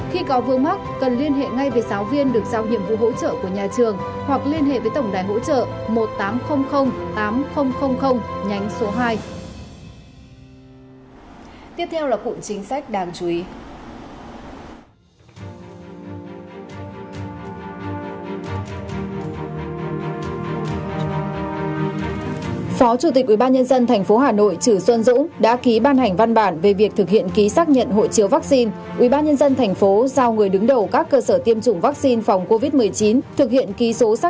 khi có vương mắc cần liên hệ ngay với giáo viên được giao nhiệm vụ hỗ trợ của nhà trường hoặc liên hệ với tổng đài hỗ trợ một nghìn tám trăm linh tám nghìn nhánh số hai